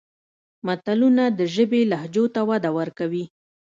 متلونه د ژبې لهجو ته وده ورکوي